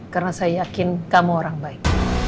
karena saya yakin kamu orang baik